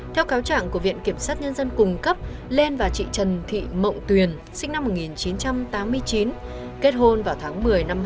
theo cáo chẳng của viện kiểm sát nhân dân cung cấp lên và chị trần thị mậu tuyền sinh năm một nghìn chín trăm tám mươi chín kết hôn vào tháng một mươi hai nghìn hai mươi một